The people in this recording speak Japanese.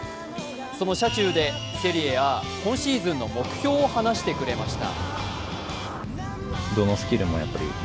その車中でセリエＡ今シーズンの目標を話してくれました。